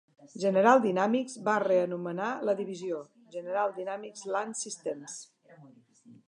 General Dynamics va reanomenar la divisió, "General Dynamics Land Systems".